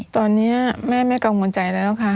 ตอนนี้แม่ไม่กังวลใจแล้วค่ะ